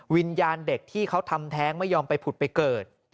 วิญญาณเด็กที่เขาทำแท้งไม่ยอมไปผุดไปเกิด